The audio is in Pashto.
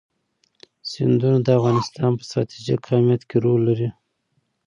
سیندونه د افغانستان په ستراتیژیک اهمیت کې رول لري.